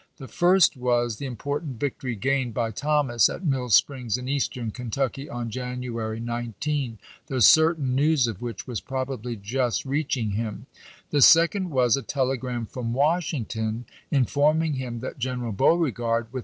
The first was the important victory gained by Thomas at Mill Springs in Eastern Kentucky on January 19, the certain news of which was probably just reach ing him ; the second was a telegram from Washing Mcneiian *^^' informing him that Greneral Beauregard, with ■m?